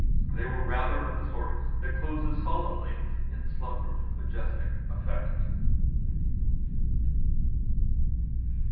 They were rather of the sort that closes solemnly in slumber with majestic effect.